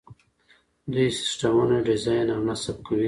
دوی سیسټمونه ډیزاین او نصب کوي.